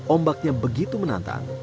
ombak yang begitu menantang